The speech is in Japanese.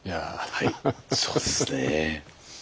はいそうですね。